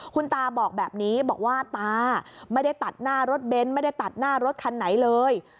คุณตาบอกแบบนี้บอกว่าตาไม่ได้ตัดหน้ารถเบนท์ไม่ได้ตัดหน้ารถคันไหนเลย